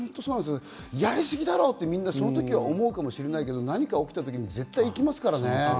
やりすぎだろうとその時は思うかもしれないけれども何か起きた時、絶対にいきますからね。